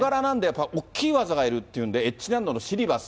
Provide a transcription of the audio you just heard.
大きい技がいるっていうで、Ｈ難度のシリバス。